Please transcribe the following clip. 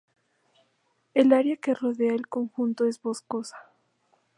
El área que rodea al conjunto es boscosa.